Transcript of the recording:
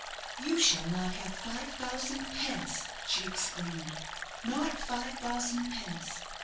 "You shall not have five thousand pence," she exclaimed, "not five thousand pence.